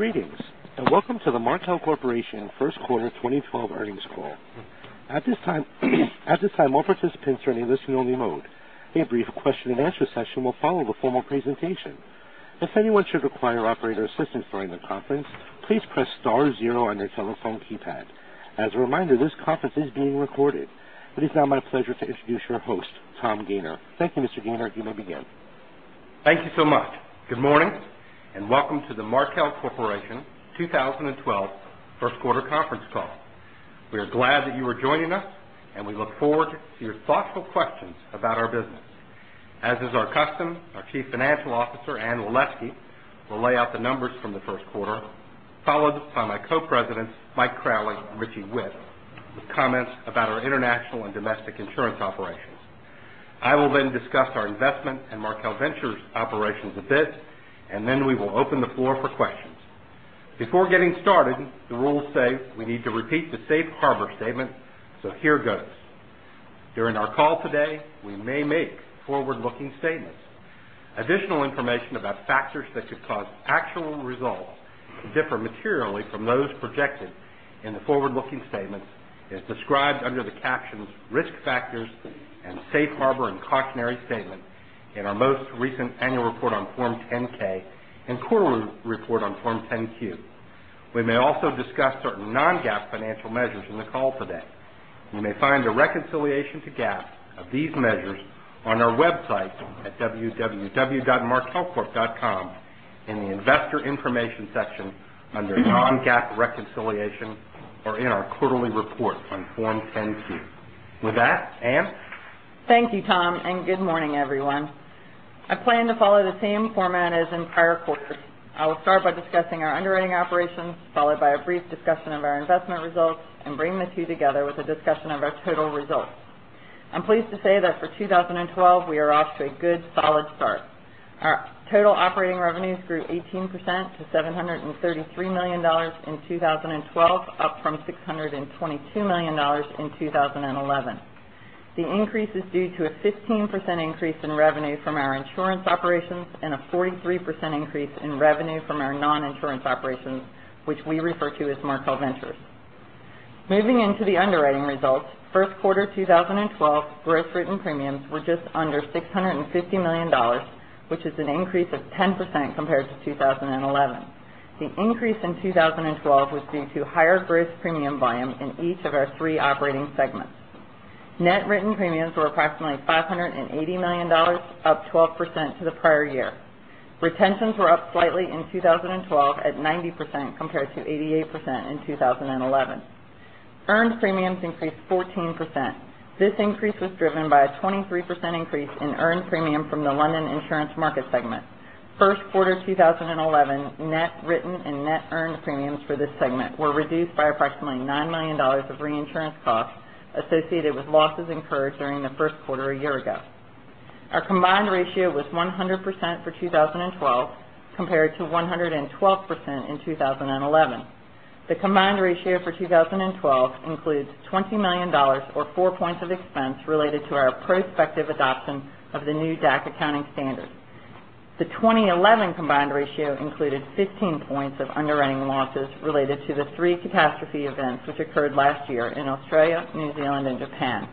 Greetings, welcome to the Markel Corporation first quarter 2012 earnings call. At this time all participants are in a listen only mode. A brief question and answer session will follow the formal presentation. If anyone should require operator assistance during the conference, please press star zero on your telephone keypad. As a reminder, this conference is being recorded. It is now my pleasure to introduce your host, Tom Gayner. Thank you, Mr. Gayner. You may begin. Thank you so much. Good morning, welcome to the Markel Corporation 2012 first quarter conference call. We are glad that you are joining us, we look forward to your thoughtful questions about our business. As is our custom, our Chief Financial Officer, Anne Waleski, will lay out the numbers from the first quarter, followed by my co-presidents, Mike Crowley and Richie Whitt, with comments about our international and domestic insurance operations. I will discuss our investment and Markel Ventures operations a bit, we will open the floor for questions. Before getting started, the rules say we need to repeat the safe harbor statement, here goes. During our call today, we may make forward-looking statements. Additional information about factors that could cause actual results to differ materially from those projected in the forward-looking statements is described under the captions "risk factors" and "safe harbor and cautionary statement" in our most recent annual report on Form 10-K and quarterly report on Form 10-Q. We may also discuss certain non-GAAP financial measures in the call today. You may find a reconciliation to GAAP of these measures on our website at www.markelcorp.com in the investor information section under non-GAAP reconciliation or in our quarterly report on Form 10-Q. With that, Anne? Thank you, Tom. Good morning, everyone. I plan to follow the same format as in prior quarters. I will start by discussing our underwriting operations, followed by a brief discussion of our investment results, bring the two together with a discussion of our total results. I'm pleased to say that for 2012, we are off to a good, solid start. Our total operating revenues grew 18% to $733 million in 2012, up from $622 million in 2011. The increase is due to a 15% increase in revenue from our insurance operations and a 43% increase in revenue from our non-insurance operations, which we refer to as Markel Ventures. Moving into the underwriting results, first quarter 2012 gross written premiums were just under $650 million, which is an increase of 10% compared to 2011. The increase in 2012 was due to higher gross premium volume in each of our three operating segments. Net written premiums were approximately $580 million, up 12% to the prior year. Retentions were up slightly in 2012 at 90% compared to 88% in 2011. Earned premiums increased 14%. This increase was driven by a 23% increase in earned premium from the London insurance market segment. First quarter 2011, net written and net earned premiums for this segment were reduced by approximately $9 million of reinsurance costs associated with losses incurred during the first quarter a year ago. Our combined ratio was 100% for 2012 compared to 112% in 2011. The combined ratio for 2012 includes $20 million or four points of expense related to our prospective adoption of the new DAC accounting standard. The 2011 combined ratio included 15 points of underwriting losses related to the three catastrophe events which occurred last year in Australia, New Zealand, and Japan.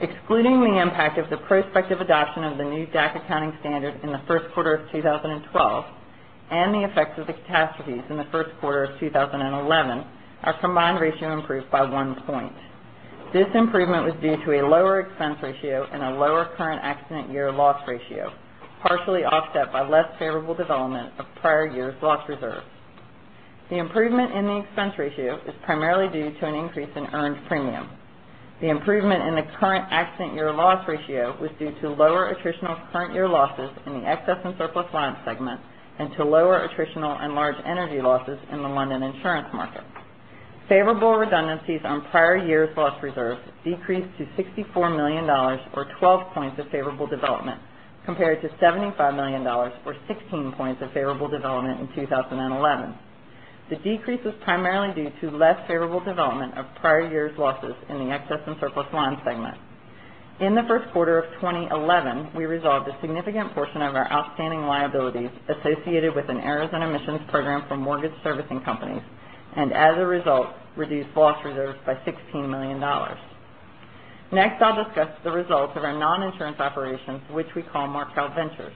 Excluding the impact of the prospective adoption of the new DAC accounting standard in the first quarter of 2012 and the effects of the catastrophes in the first quarter of 2011, our combined ratio improved by one point. This improvement was due to a lower expense ratio and a lower current accident year loss ratio, partially offset by less favorable development of prior years' loss reserve. The improvement in the expense ratio is primarily due to an increase in earned premium. The improvement in the current accident year loss ratio was due to lower attritional current year losses in the excess and surplus lines segment and to lower attritional and large energy losses in the London insurance market. Favorable redundancies on prior years' loss reserves decreased to $64 million, or 12 points of favorable development, compared to $75 million or 16 points of favorable development in 2011. The decrease was primarily due to less favorable development of prior years' losses in the excess and surplus lines segment. In the first quarter of 2011, we resolved a significant portion of our outstanding liabilities associated with an Arizona emissions program for mortgage servicing companies, and as a result, reduced loss reserves by $16 million. Next, I'll discuss the results of our non-insurance operations, which we call Markel Ventures.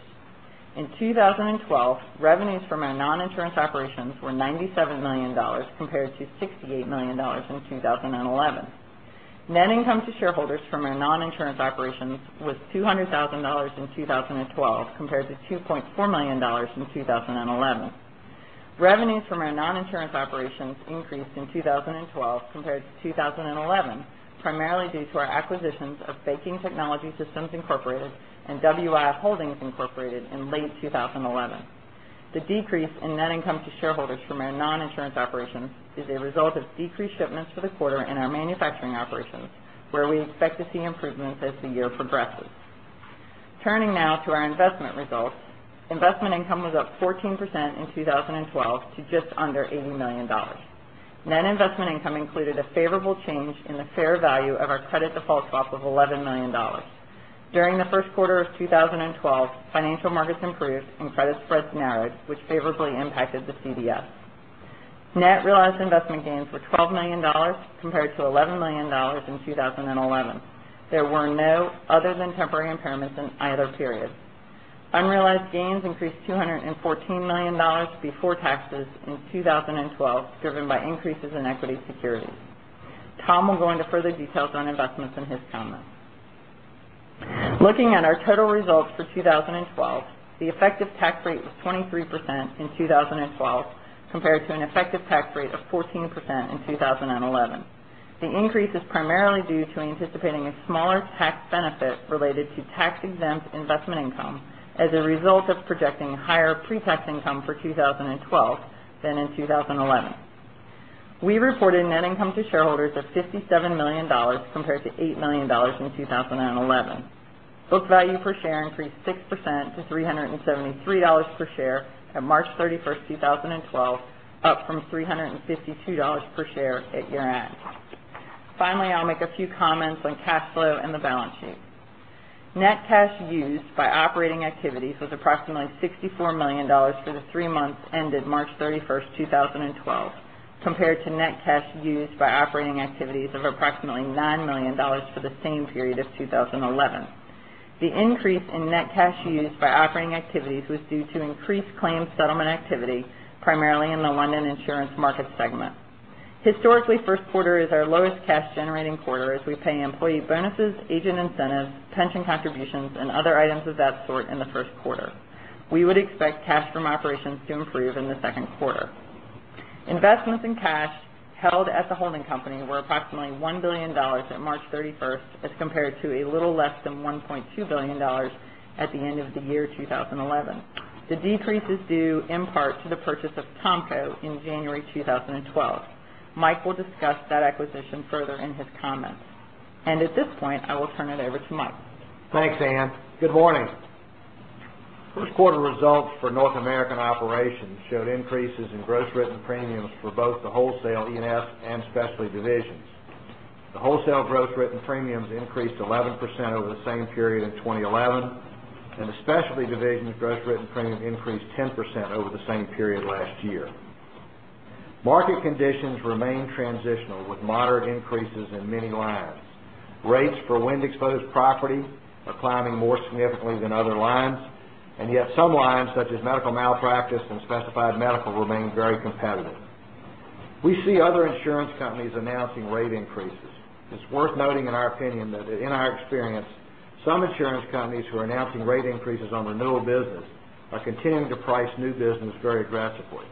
In 2012, revenues from our non-insurance operations were $97 million, compared to $68 million in 2011. Net income to shareholders from our non-insurance operations was $200,000 in 2012, compared to $2.4 million in 2011. Revenues from our non-insurance operations increased in 2012 compared to 2011, primarily due to our acquisitions of AMF Bakery Systems and WI Holdings, Inc. in late 2011. The decrease in net income to shareholders from our non-insurance operations is a result of decreased shipments for the quarter in our manufacturing operations, where we expect to see improvements as the year progresses. Turning now to our investment results. Investment income was up 14% in 2012 to just under $80 million. Net investment income included a favorable change in the fair value of our credit default swap of $11 million. During the first quarter of 2012, financial markets improved and credit spreads narrowed, which favorably impacted the CDS. Net realized investment gains were $12 million compared to $11 million in 2011. There were no other than temporary impairments in either period. Unrealized gains increased $214 million before taxes in 2012, driven by increases in equity securities. Tom will go into further details on investments in his comments. Looking at our total results for 2012, the effective tax rate was 23% in 2012 compared to an effective tax rate of 14% in 2011. The increase is primarily due to anticipating a smaller tax benefit related to tax-exempt investment income as a result of projecting higher pre-tax income for 2012 than in 2011. We reported net income to shareholders of $57 million compared to $8 million in 2011. Book value per share increased 6% to $373 per share at March 31st, 2012, up from $352 per share at year-end. Finally, I'll make a few comments on cash flow and the balance sheet. Net cash used by operating activities was approximately $64 million for the three months ended March 31st, 2012, compared to net cash used by operating activities of approximately $9 million for the same period of 2011. The increase in net cash used by operating activities was due to increased claim settlement activity, primarily in the London insurance market segment. Historically, first quarter is our lowest cash-generating quarter as we pay employee bonuses, agent incentives, pension contributions, and other items of that sort in the first quarter. We would expect cash from operations to improve in the second quarter. Investments in cash held at the holding company were approximately $1 billion at March 31st as compared to a little less than $1.2 billion at the end of the year 2011. The decrease is due in part to the purchase of Tomco in January 2012. Mike will discuss that acquisition further in his comments. At this point, I will turn it over to Mike. Thanks, Anne. Good morning. First quarter results for North American operations showed increases in gross written premiums for both the wholesale E&S and specialty divisions. The wholesale gross written premiums increased 11% over the same period in 2011, and the specialty division's gross written premium increased 10% over the same period last year. Market conditions remain transitional, with moderate increases in many lines. Rates for wind-exposed property are climbing more significantly than other lines, yet some lines, such as medical malpractice and specified medical, remain very competitive. We see other insurance companies announcing rate increases. It's worth noting, in our opinion, that in our experience, some insurance companies who are announcing rate increases on renewal business are continuing to price new business very aggressively.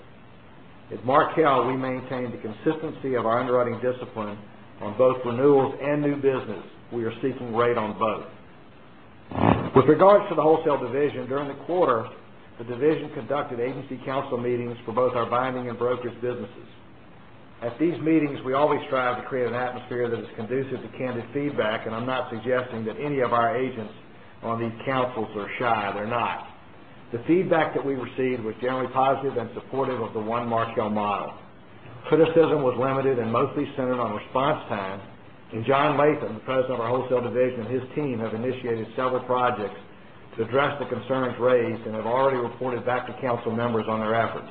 At Markel, we maintain the consistency of our underwriting discipline on both renewals and new business. We are seeking rate on both. With regards to the wholesale division, during the quarter, the division conducted agency council meetings for both our binding and brokers businesses. At these meetings, we always strive to create an atmosphere that is conducive to candid feedback. I'm not suggesting that any of our agents on these councils are shy. They're not. The feedback that we received was generally positive and supportive of the One Markel model. Criticism was limited and mostly centered on response time. John Latham, the president of our wholesale division, his team have initiated several projects to address the concerns raised and have already reported back to council members on their efforts.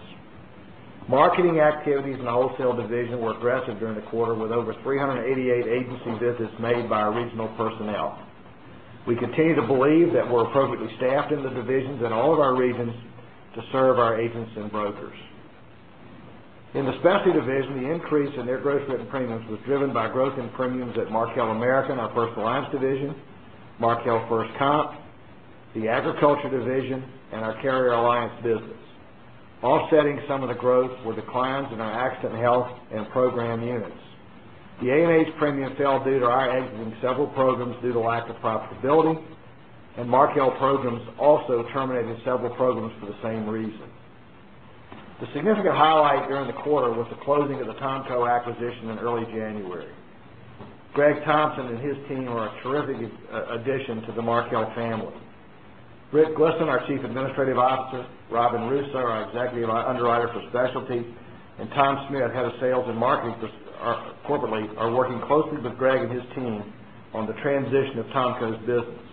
Marketing activities in the wholesale division were aggressive during the quarter with over 388 agency visits made by our regional personnel. We continue to believe that we're appropriately staffed in the divisions in all of our regions to serve our agents and brokers. In the specialty division, the increase in their gross written premiums was driven by growth in premiums at Markel American, our personal lines division, Markel FirstComp, the agriculture division, and our Carrier Alliance business. Offsetting some of the growth were declines in our Accident & Health and Program units. The A&H premium fell due to our exiting several programs due to lack of profitability, and Markel Programs also terminated several programs for the same reason. The significant highlight during the quarter was the closing of the Tomco acquisition in early January. Greg Thompson and his team are a terrific addition to the Markel family. Britt Glisson, our Chief Administrative Officer, Robin Russo, our Executive Underwriting Officer for Specialty, and Thomas K. Smith, head of sales and marketing corporately, are working closely with Greg and his team on the transition of Tomco's business.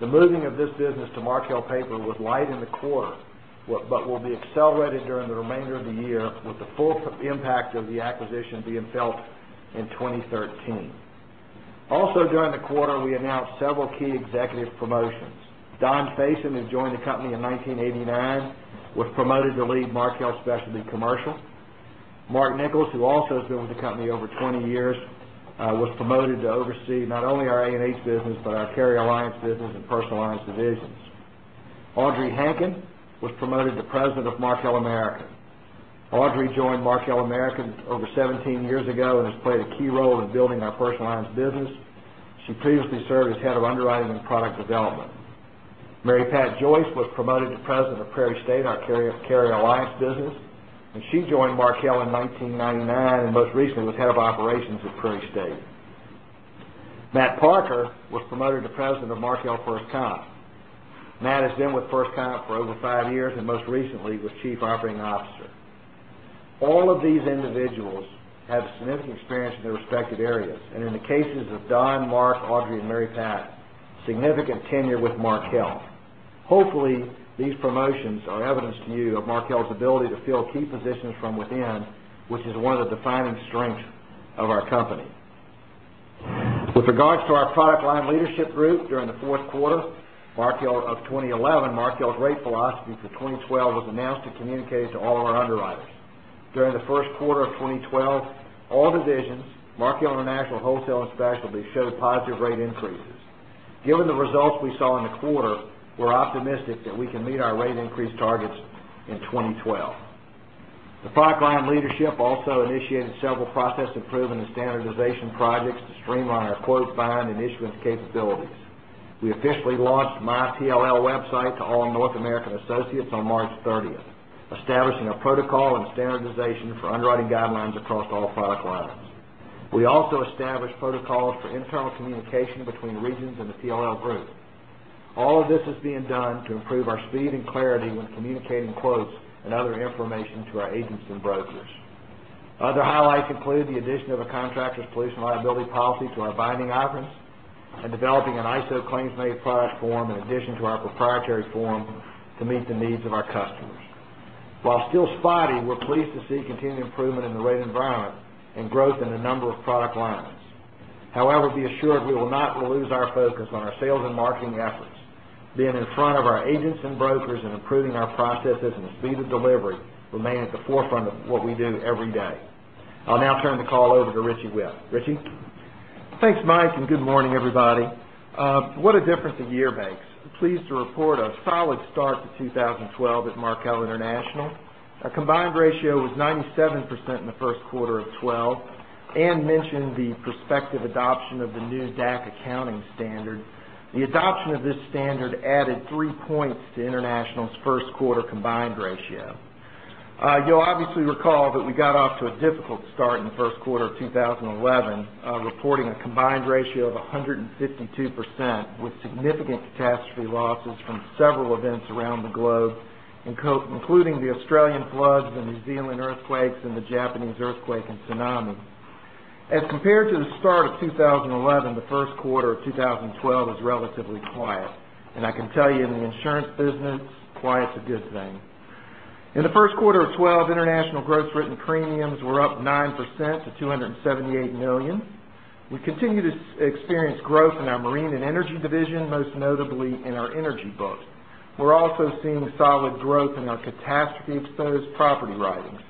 The moving of this business to Markel paper was light in the quarter, but will be accelerated during the remainder of the year with the full impact of the acquisition being felt in 2013. Also during the quarter, we announced several key executive promotions. Don Faison, who joined the company in 1989, was promoted to lead Markel Specialty Commercial. Mark Nichols, who also has been with the company over 20 years, was promoted to oversee not only our A&H business, but our Carrier Alliance business and personal lines divisions. Audrey Hanken was promoted to president of Markel American. Audrey joined Markel American over 17 years ago and has played a key role in building our personal lines business. She previously served as head of underwriting and product development. Mary Pat Joyce was promoted to president of Prairie State, our Carrier Alliance business, and she joined Markel in 1999, and most recently was head of operations at Prairie State. Matt Parker was promoted to president of Markel FirstComp. Matt has been with FirstComp for over 5 years and most recently was Chief Operating Officer. All of these individuals have significant experience in their respective areas, and in the cases of Don, Mark, Audrey, and Mary Pat, significant tenure with Markel. Hopefully, these promotions are evidence to you of Markel's ability to fill key positions from within, which is one of the defining strengths of our company. With regards to our Product Line Leadership group during the fourth quarter of 2011, Markel's rate philosophy for 2012 was announced and communicated to all our underwriters. During the first quarter of 2012, all divisions, Markel International, Wholesale and Specialty, showed positive rate increases. Given the results we saw in the quarter, we're optimistic that we can meet our rate increase targets in 2012. The Product Line Leadership also initiated several process improvement and standardization projects to streamline our quote, bind, and issuance capabilities. We officially launched MyTLL website to all North American associates on March 30th, establishing a protocol and standardization for underwriting guidelines across all product lines. We also established protocols for internal communication between regions and the PLL group. All of this is being done to improve our speed and clarity when communicating quotes and other information to our agents and brokers. Other highlights include the addition of a contractors pollution liability policy to our binding offerings and developing an ISO claims-made product form in addition to our proprietary form to meet the needs of our customers. While still spotty, we're pleased to see continued improvement in the rate environment and growth in a number of product lines. Be assured we will not lose our focus on our sales and marketing efforts. Being in front of our agents and brokers and improving our processes and speed of delivery remain at the forefront of what we do every day. I'll now turn the call over to Richie Whitt. Richie? Thanks, Mike. Good morning, everybody. What a difference a year makes. Pleased to report a solid start to 2012 at Markel International. Our combined ratio was 97% in the first quarter of 2012 and mentioned the prospective adoption of the new DAC accounting standard. The adoption of this standard added three points to International's first quarter combined ratio. You'll obviously recall that we got off to a difficult start in the first quarter of 2011, reporting a combined ratio of 152% with significant catastrophe losses from several events around the globe, including the Australian floods, the New Zealand earthquakes, and the Japanese earthquake and tsunami. As compared to the start of 2011, the first quarter of 2012 was relatively quiet. I can tell you, in the insurance business, quiet is a good thing. In the first quarter of 2012, International gross written premiums were up 9% to $278 million. We continue to experience growth in our marine and energy division, most notably in our energy book. We're also seeing solid growth in our catastrophe-exposed property writings.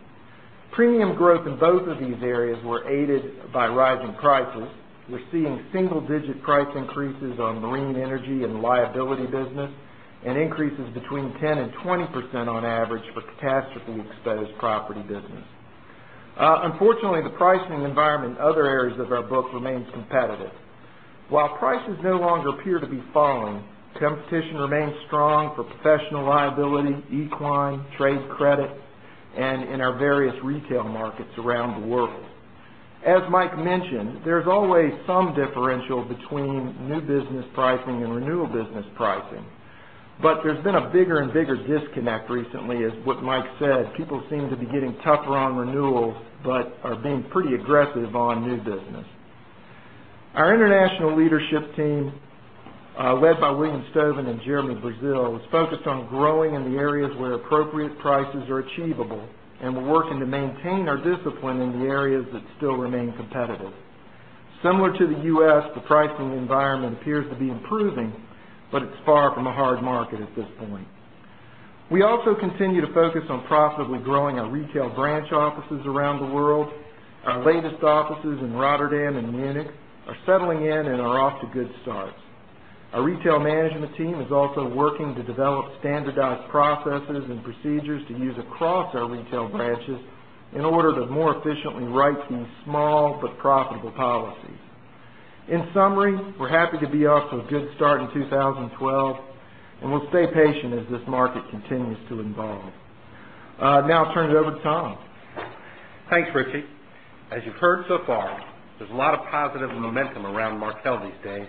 Premium growth in both of these areas were aided by rising prices. We're seeing single-digit price increases on marine energy and liability business and increases between 10%-20% on average for catastrophically exposed property business. Unfortunately, the pricing environment in other areas of our book remains competitive. While prices no longer appear to be falling, competition remains strong for professional liability, equine, trade credit, and in our various retail markets around the world. As Mike mentioned, there's always some differential between new business pricing and renewal business pricing. There's been a bigger and bigger disconnect recently as what Mike said. People seem to be getting tougher on renewals but are being pretty aggressive on new business. Our international leadership team, led by William Stovin and Jeremy Brazil, is focused on growing in the areas where appropriate prices are achievable. We're working to maintain our discipline in the areas that still remain competitive. Similar to the U.S., the pricing environment appears to be improving, but it's far from a hard market at this point. We also continue to focus on profitably growing our retail branch offices around the world. Our latest offices in Rotterdam and Munich are settling in and are off to good starts. Our retail management team is also working to develop standardized processes and procedures to use across our retail branches in order to more efficiently write these small but profitable policies. In summary, we're happy to be off to a good start in 2012, and we'll stay patient as this market continues to evolve. Now I'll turn it over to Tom. Thanks, Richie. As you've heard so far, there's a lot of positive momentum around Markel these days,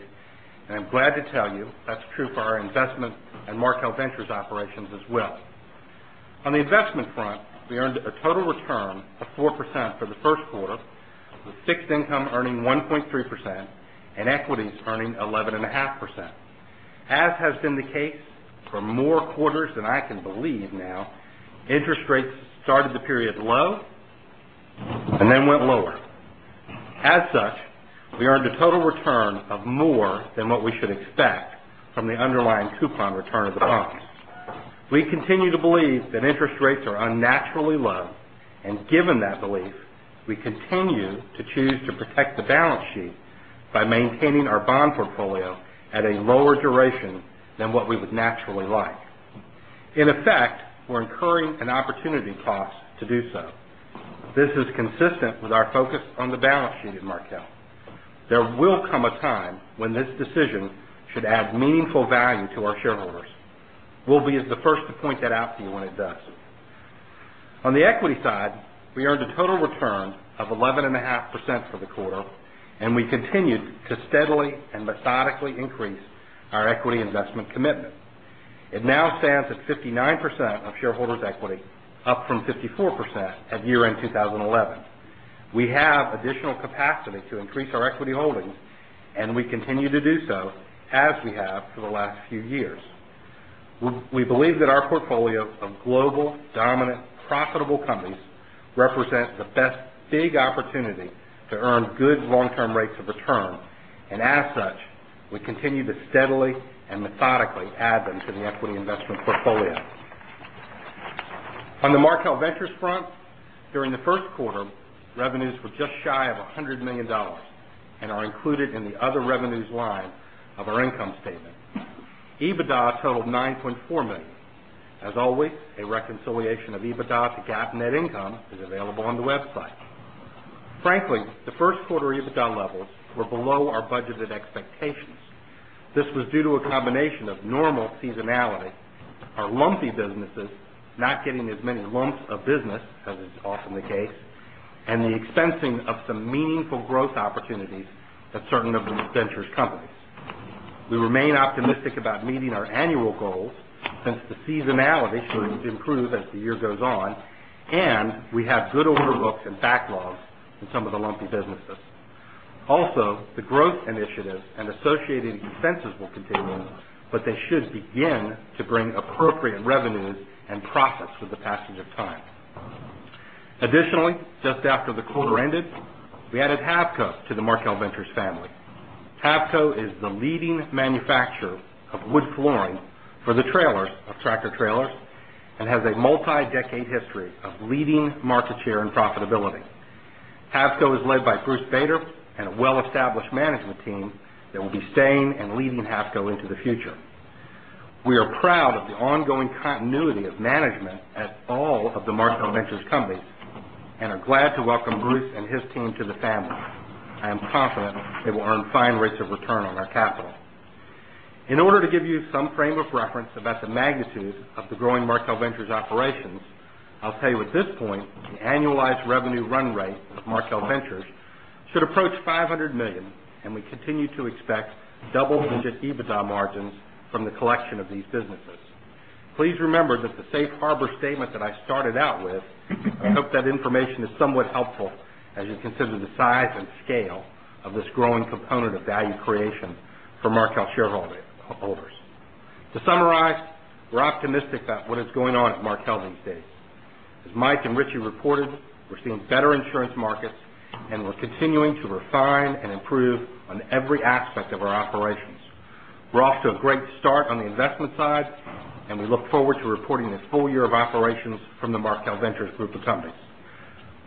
and I'm glad to tell you that's true for our investment and Markel Ventures operations as well. On the investment front, we earned a total return of 4% for the first quarter, with fixed income earning 1.3% and equities earning 11.5%. As has been the case for more quarters than I can believe now, interest rates started the period low and then went lower. As such, we earned a total return of more than what we should expect from the underlying coupon return of the bonds. We continue to believe that interest rates are unnaturally low, and given that belief, we continue to choose to protect the balance sheet by maintaining our bond portfolio at a lower duration than what we would naturally like. In effect, we're incurring an opportunity cost to do so. This is consistent with our focus on the balance sheet at Markel. There will come a time when this decision should add meaningful value to our shareholders. We'll be the first to point that out to you when it does. On the equity side, we earned a total return of 11.5% for the quarter, and we continued to steadily and methodically increase our equity investment commitment. It now stands at 59% of shareholders' equity, up from 54% at year-end 2011. We have additional capacity to increase our equity holdings, and we continue to do so, as we have for the last few years. We believe that our portfolio of global, dominant, profitable companies represents the best big opportunity to earn good long-term rates of return. As such, we continue to steadily and methodically add them to the equity investment portfolio. On the Markel Ventures front, during the first quarter, revenues were just shy of $100 million and are included in the other revenues line of our income statement. EBITDA totaled $9.4 million. As always, a reconciliation of EBITDA to GAAP net income is available on the website. Frankly, the first quarter EBITDA levels were below our budgeted expectations. This was due to a combination of normal seasonality, our lumpy businesses not getting as many lumps of business as is often the case, and the expensing of some meaningful growth opportunities at certain of the Ventures companies. We remain optimistic about meeting our annual goals since the seasonality should improve as the year goes on, and we have good order books and backlogs in some of the lumpy businesses. The growth initiatives and associated expenses will continue, but they should begin to bring appropriate revenues and profits with the passage of time. Additionally, just after the quarter ended, we added Havco to the Markel Ventures family. Havco is the leading manufacturer of wood flooring for the trailers of tractor-trailers and has a multi-decade history of leading market share and profitability. Havco is led by Bruce Bader and a well-established management team that will be staying and leading Havco into the future. We are proud of the ongoing continuity of management at all of the Markel Ventures companies and are glad to welcome Bruce and his team to the family. I am confident they will earn fine rates of return on our capital. In order to give you some frame of reference about the magnitude of the growing Markel Ventures operations, I'll tell you at this point, the annualized revenue run rate of Markel Ventures should approach $500 million, and we continue to expect double-digit EBITDA margins from the collection of these businesses. Please remember that the safe harbor statement that I started out with. I hope that information is somewhat helpful as you consider the size and scale of this growing component of value creation for Markel shareholders. To summarize, we're optimistic about what is going on at Markel these days. As Mike and Richie reported, we're seeing better insurance markets, and we're continuing to refine and improve on every aspect of our operations. We're off to a great start on the investment side, and we look forward to reporting a full year of operations from the Markel Ventures group of companies.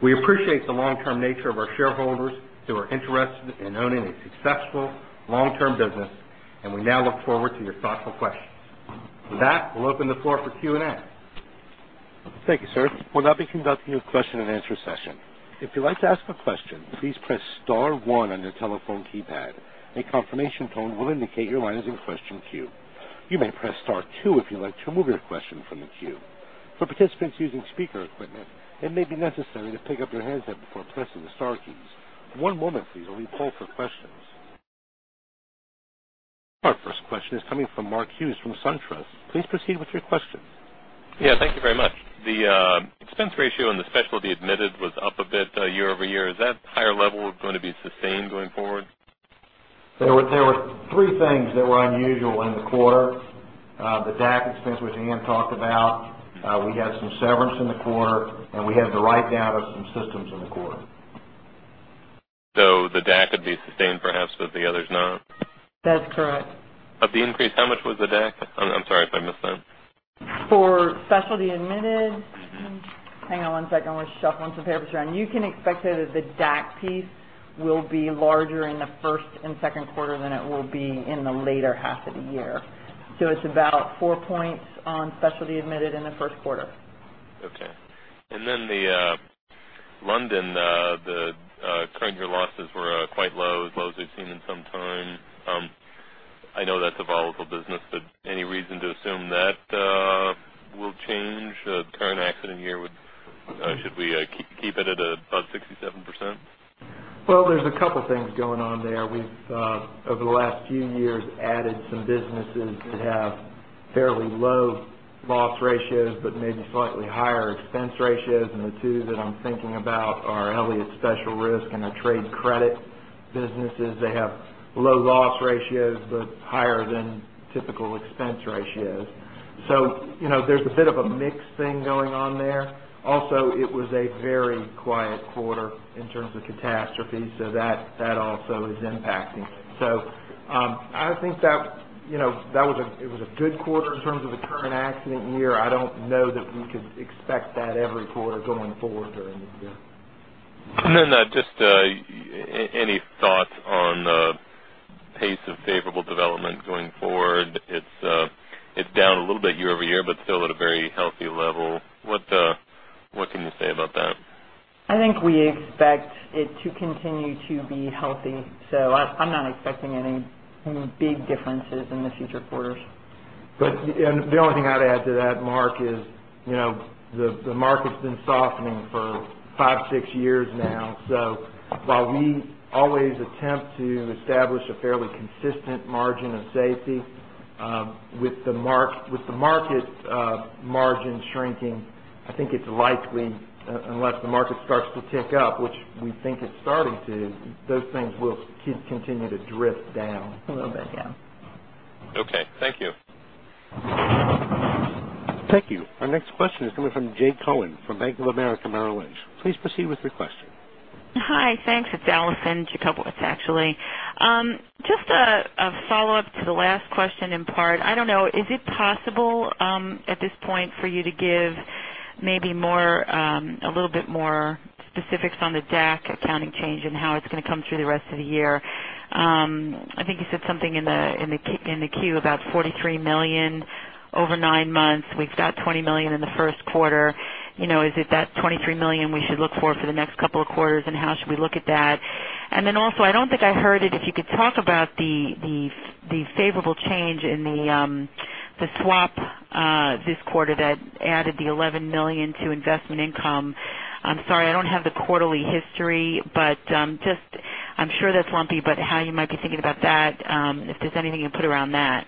We appreciate the long-term nature of our shareholders who are interested in owning a successful long-term business. We now look forward to your thoughtful questions. With that, we'll open the floor for Q&A. Thank you, sir. We'll now be conducting a question-and-answer session. If you'd like to ask a question, please press star one on your telephone keypad. A confirmation tone will indicate your line is in question queue. You may press star two if you'd like to remove your question from the queue. For participants using speaker equipment, it may be necessary to pick up your handset before pressing the star keys. One moment please while we poll for questions. Our first question is coming from Mark Hughes from SunTrust. Please proceed with your question. Yeah, thank you very much. The expense ratio on the specialty admitted was up a bit year-over-year. Is that higher level going to be sustained going forward? There were three things that were unusual in the quarter. The DAC expense, which Anne talked about, we had some severance in the quarter, and we had the write-down of some systems in the quarter. The DAC would be sustained, perhaps, but the others not? That's correct. Of the increase, how much was the DAC? I'm sorry if I missed that. For specialty admitted, hang on one second while I shuffle some papers around. You can expect that the DAC piece will be larger in the first and second quarter than it will be in the later half of the year. It's about four points on specialty admitted in the first quarter. Okay. The London, the current year losses were quite low, as low as we've seen in some time. I know that's a volatile business, but any reason to assume that will change? The current accident year Should we keep it at above 67%? Well, there's a couple things going on there. We've, over the last few years, added some businesses that have fairly low loss ratios but maybe slightly higher expense ratios. The two that I'm thinking about are Elliott Special Risk and our trade credit businesses. They have low loss ratios, but higher than typical expense ratios. There's a bit of a mixed thing going on there. Also, it was a very quiet quarter in terms of catastrophes, that also is impacting. I think that it was a good quarter in terms of the current accident year. I don't know that we could expect that every quarter going forward during the year. Just any thoughts on the pace of favorable development going forward? It's down a little bit year-over-year, but still at a very healthy level. What can you say about that? I think we expect it to continue to be healthy. I'm not expecting any big differences in the future quarters. The only thing I'd add to that, Mark, is the market's been softening for five, six years now. While we always attempt to establish a fairly consistent margin of safety with the market margin shrinking I think it's likely, unless the market starts to tick up, which we think it's starting to, those things will continue to drift down. A little bit, yeah. Okay. Thank you. Thank you. Our next question is coming from Jay Cohen from Bank of America Merrill Lynch. Please proceed with your question. Hi. Thanks. It's Yonatan Jakubowicz actually. Just a follow-up to the last question in part. I don't know, is it possible, at this point, for you to give maybe a little bit more specifics on the DAC accounting change and how it's going to come through the rest of the year? I think you said something in the Form 10-Q about $43 million over nine months. We've got $20 million in the first quarter. Is it that $23 million we should look for the next couple of quarters, and how should we look at that? Also, I don't think I heard it, if you could talk about the favorable change in the swap this quarter that added the $11 million to investment income. I'm sorry, I don't have the quarterly history. I'm sure that's lumpy, but how you might be thinking about that, if there's anything you put around that.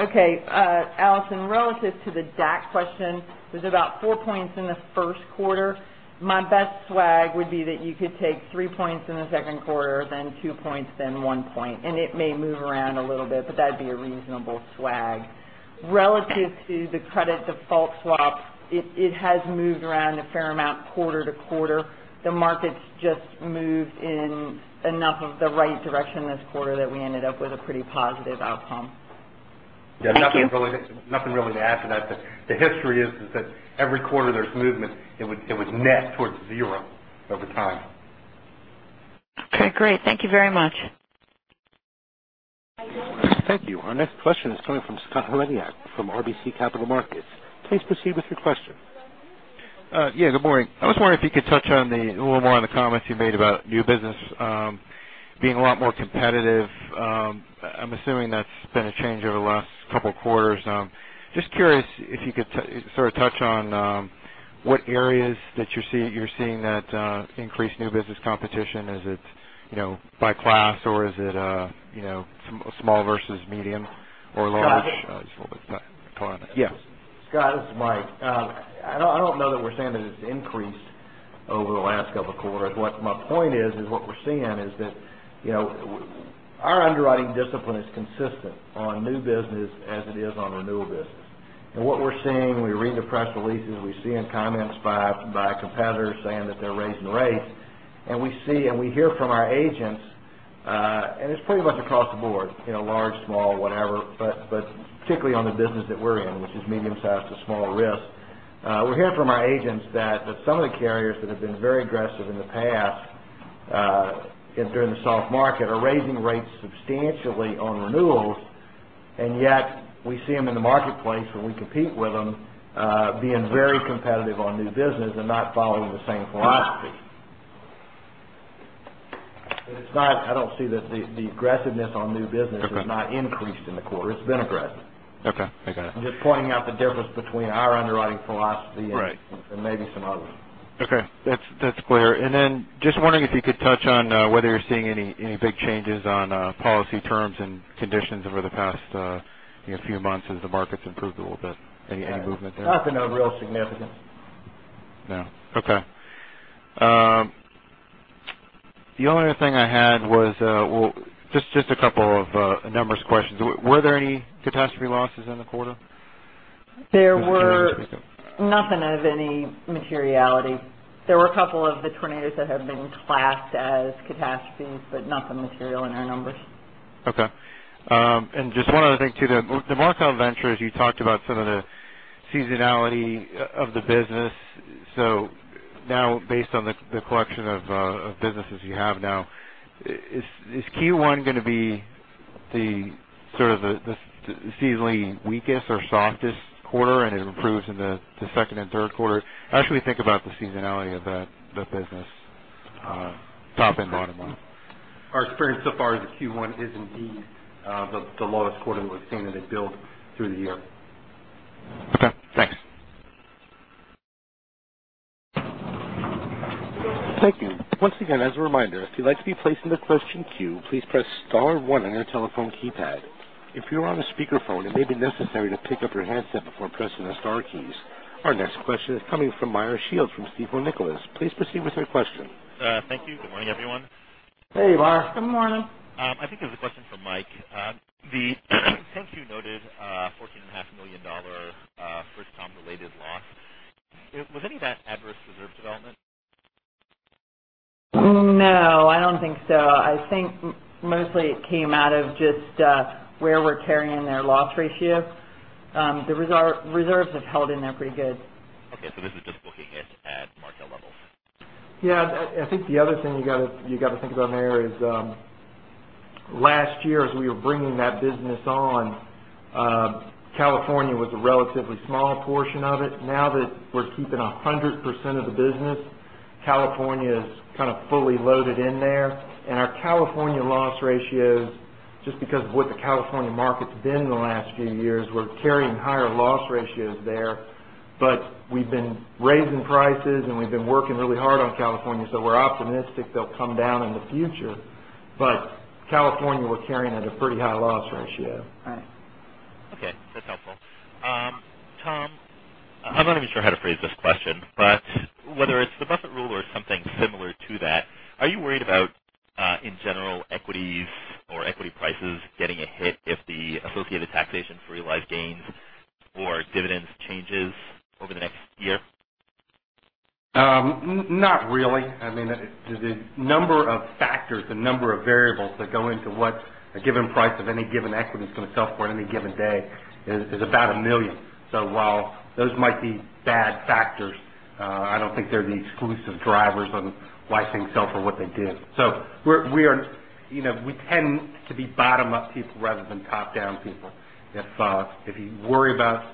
Okay. Yonatan, relative to the DAC question, there's about four points in the first quarter. My best swag would be that you could take three points in the second quarter, then two points, then one point. It may move around a little bit, but that'd be a reasonable swag. Relative to the credit default swap, it has moved around a fair amount quarter to quarter. The market's just moved in enough of the right direction this quarter that we ended up with a pretty positive outcome. Thank you. Yeah, nothing really to add to that. The history is that every quarter there's movement. It would net towards zero over time. Okay, great. Thank you very much. Thank you. Our next question is coming from Scott Hlebik from RBC Capital Markets. Please proceed with your question. Yeah. Good morning. I was wondering if you could touch a little more on the comments you made about new business being a lot more competitive. I'm assuming that's been a change over the last couple of quarters. Just curious if you could sort of touch on what areas that you're seeing that increased new business competition. Is it by class or is it small versus medium or large? Scott. I just want to touch upon it. Yes. Scott, this is Mike. I don't know that we're saying that it's increased over the last couple of quarters. What my point is what we're seeing is that our underwriting discipline is consistent on new business as it is on renewal business. What we're seeing when we read the press releases, we see in comments by competitors saying that they're raising rates, we hear from our agents, and it's pretty much across the board, large, small, whatever, but particularly on the business that we're in, which is medium-sized to small risk. We hear from our agents that some of the carriers that have been very aggressive in the past during the soft market are raising rates substantially on renewals, yet we see them in the marketplace when we compete with them being very competitive on new business and not following the same philosophy. I don't see that the aggressiveness on new business has not increased in the quarter. It's been aggressive. Okay. I got it. I'm just pointing out the difference between our underwriting philosophy- Right Maybe some others. Okay. That's clear. Just wondering if you could touch on whether you're seeing any big changes on policy terms and conditions over the past few months as the market's improved a little bit. Any movement there? Nothing of real significance. No. Okay. The only other thing I had was just a couple of numbers questions. Were there any catastrophe losses in the quarter? There were nothing of any materiality. There were a couple of the tornadoes that have been classed as catastrophes, but nothing material in our numbers. Just one other thing, too. The Markel Ventures, you talked about some of the seasonality of the business. Now based on the collection of businesses you have now, is Q1 going to be sort of the seasonally weakest or softest quarter, and it improves in the second and third quarter? How should we think about the seasonality of that business top and bottom line? Our experience so far is that Q1 is indeed the lowest quarter we've seen, and it builds through the year. Okay, thanks. Thank you. Once again, as a reminder, if you'd like to be placed in the question queue, please press *1 on your telephone keypad. If you are on a speakerphone, it may be necessary to pick up your handset before pressing the star keys. Our next question is coming from Meyer Shields from Stifel Nicolaus. Please proceed with your question. Thank you. Good morning, everyone. Hey, Meyer. Good morning. I think there's a question for Mike. The 10-Q noted a $14.5 million FirstComp-related loss. Was any of that adverse reserve development? No, I don't think so. I think mostly it came out of just where we're carrying their loss ratio. The reserves have held in there pretty good. Okay, this is just looking at Markel levels. Yeah. I think the other thing you got to think about, Meyer, is last year as we were bringing that business on, California was a relatively small portion of it. Now that we're keeping 100% of the business, California is kind of fully loaded in there. Our California loss ratios, just because of what the California market's been the last few years, we're carrying higher loss ratios there. We've been raising prices, and we've been working really hard on California, we're optimistic they'll come down in the future. California, we're carrying at a pretty high loss ratio. Right. Okay, that's helpful. Tom, I'm not even sure how to phrase this question, but whether it's the Buffett Rule or something similar to that, are you worried about, in general, equities or equity prices getting a hit if the associated taxation for realized gains or dividends changes over the next year? Not really. The number of factors, the number of variables that go into what a given price of any given equity is going to sell for on any given day is about 1 million. While those might be bad factors, I don't think they're the exclusive drivers on why things sell for what they do. We tend to be bottom-up people rather than top-down people. If you worry about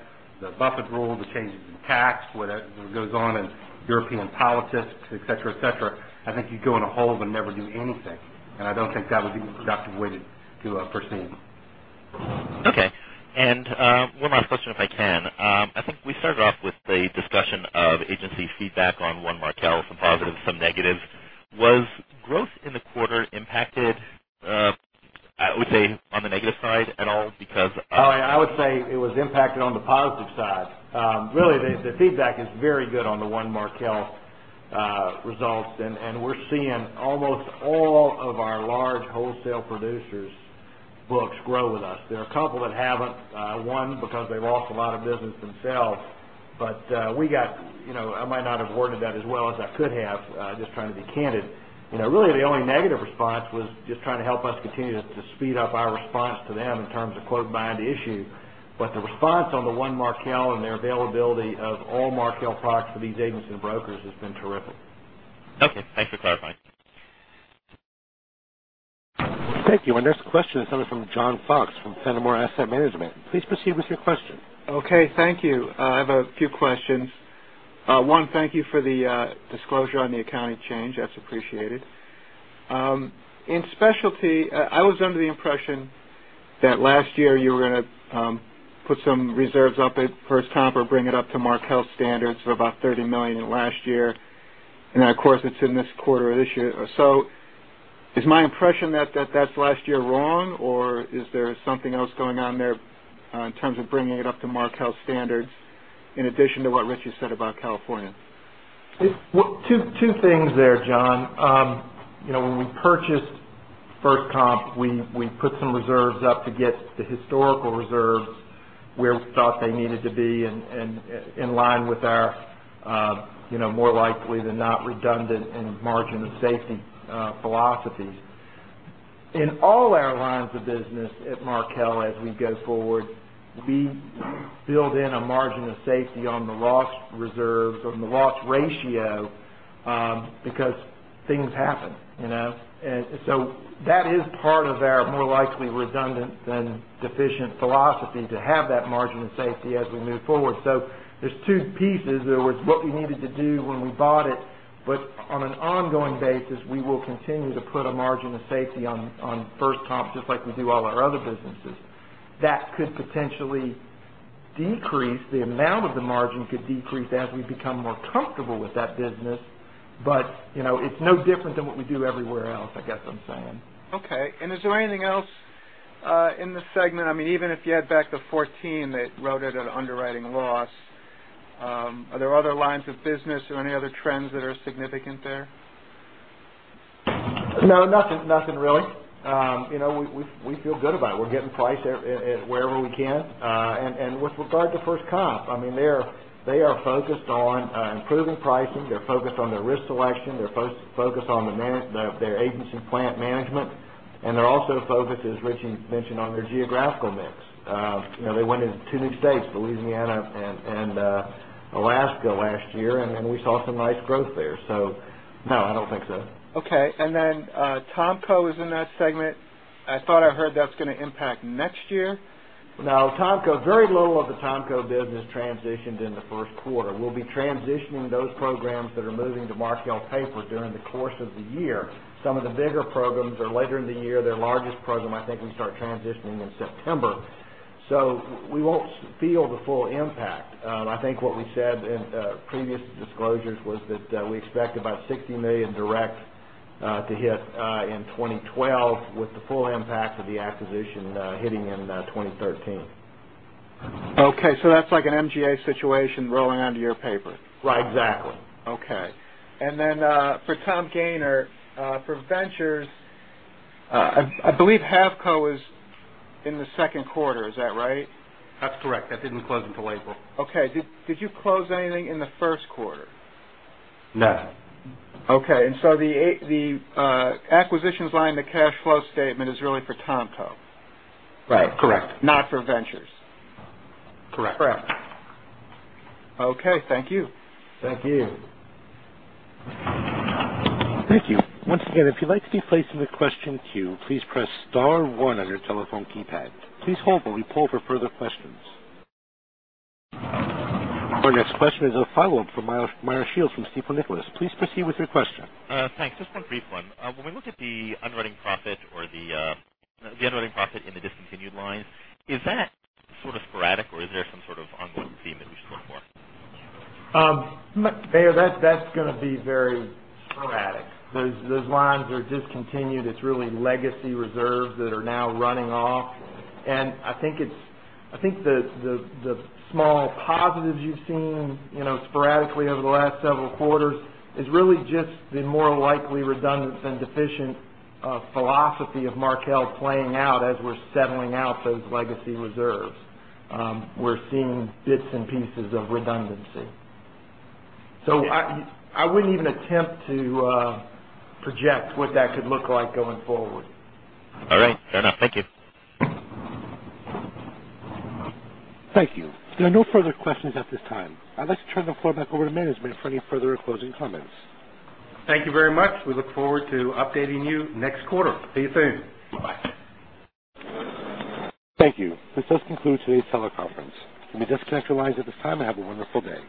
the Buffett Rule, the changes in tax, whether it goes on in European politics, et cetera, I think you'd go in a hole and never do anything, and I don't think that would be the productive way to proceed. Okay. One last question, if I can. I think we started off with a discussion of agency feedback on One Markel, some positives, some negatives. Was growth in the quarter impacted, I would say, on the negative side at all because- Oh, I would say it was impacted on the positive side. Really, the feedback is very good on the One Markel results, and we're seeing almost all of our large wholesale producers' books grow with us. There are a couple that haven't, one, because they've lost a lot of business themselves, but I might not have worded that as well as I could have, just trying to be candid. Really, the only negative response was just trying to help us continue to speed up our response to them in terms of quote bind issue. The response on the One Markel and their availability of all Markel products for these agency brokers has been terrific. Okay, thanks for clarifying. Thank you. Our next question is coming from John Fox from Fenimore Asset Management. Please proceed with your question. Okay, thank you. I have a few questions. One, thank you for the disclosure on the accounting change. That's appreciated. In specialty, I was under the impression that last year you were going to put some reserves up at FirstComp or bring it up to Markel standards for about $30 million in last year. Of course, it's in this quarter of this year. Is my impression that that's last year wrong, or is there something else going on there in terms of bringing it up to Markel standards in addition to what Richie said about California? Two things there, John. When we purchased FirstComp, we put some reserves up to get the historical reserves where we thought they needed to be and in line with our more likely than not redundant and margin of safety philosophies. In all our lines of business at Markel as we go forward, we build in a margin of safety on the loss reserves or the loss ratio because things happen. That is part of our more likely redundant than deficient philosophy to have that margin of safety as we move forward. There's two pieces. There was what we needed to do when we bought it, but on an ongoing basis, we will continue to put a margin of safety on FirstComp just like we do all our other businesses. That could potentially decrease. The amount of the margin could decrease as we become more comfortable with that business, but it's no different than what we do everywhere else, I guess I'm saying. Okay. Is there anything else in this segment? Even if you add back the 14 that wrote it at underwriting loss, are there other lines of business or any other trends that are significant there? No, nothing really. We feel good about it. We're getting price wherever we can. With regard to FirstComp, they are focused on improving pricing. They're focused on their risk selection. They're focused on their agency plant management. They're also focused, as Richie mentioned, on their geographical mix. They went into two new states, Louisiana and Alaska last year, and we saw some nice growth there. No, I don't think so. Okay. TomCo is in that segment. I thought I heard that's going to impact next year? No, very little of the TomCo business transitioned in the first quarter. We'll be transitioning those programs that are moving to Markel paper during the course of the year. Some of the bigger programs are later in the year. Their largest program, I think we start transitioning in September. We won't feel the full impact. I think what we said in previous disclosures was that we expect about $60 million direct to hit in 2012 with the full impact of the acquisition hitting in 2013. Okay, that's like an MGA situation rolling onto your paper. Right, exactly. Okay. For Tom Gayner, for Ventures, I believe Havco is in the second quarter. Is that right? That's correct. That didn't close until April. Okay. Did you close anything in the first quarter? No. Okay. The acquisitions line in the cash flow statement is really for [TomCo]. Right. Correct. Not for Ventures. Correct. Correct. Okay. Thank you. Thank you. Thank you. Once again, if you'd like to be placed in the question queue, please press *1 on your telephone keypad. Please hold while we pull for further questions. Our next question is a follow-up from Meyer Shields from Stifel Nicolaus. Please proceed with your question. Thanks. Just one brief one. When we look at the underwriting profit in the discontinued lines, is that sort of sporadic, or is there some sort of ongoing theme that we should look for? Meyer, that's going to be very sporadic. Those lines are discontinued. It's really legacy reserves that are now running off. I think the small positives you've seen sporadically over the last several quarters is really just the more likely redundant than deficient philosophy of Markel playing out as we're settling out those legacy reserves. We're seeing bits and pieces of redundancy. I wouldn't even attempt to project what that could look like going forward. All right, fair enough. Thank you. Thank you. There are no further questions at this time. I'd like to turn the floor back over to management for any further closing comments. Thank you very much. We look forward to updating you next quarter. See you soon. Bye-bye. Thank you. This does conclude today's teleconference. You may disconnect your lines at this time and have a wonderful day.